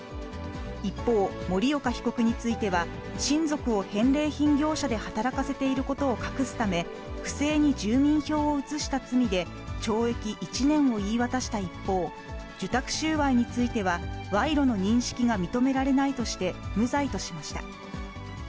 一方、森岡被告については、親族を返礼品業者で働かせていることを隠すため、不正に住民票を移した罪で、懲役１年を言い渡した一方、受託収賄については、賄賂の認識が認められないとして、無罪としました。